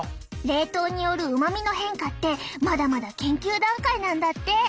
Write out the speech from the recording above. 冷凍によるうまみの変化ってまだまだ研究段階なんだって。